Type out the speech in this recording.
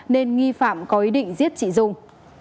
nên nghi phạm có ý định giết chị dung